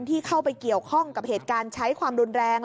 ที่เข้าไปเกี่ยวข้องกับเหตุการณ์ใช้ความรุนแรง